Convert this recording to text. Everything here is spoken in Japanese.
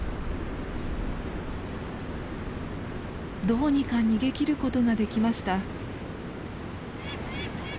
どうにか逃げきることができました。